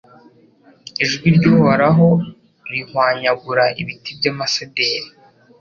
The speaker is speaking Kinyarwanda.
Ijwi ry’Uhoraho rihwanyagura ibiti by’amasederi